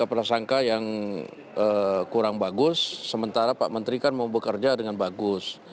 ada prasangka yang kurang bagus sementara pak menteri kan mau bekerja dengan bagus